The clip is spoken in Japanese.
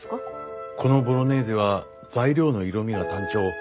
このボロネーゼは材料の色みが単調。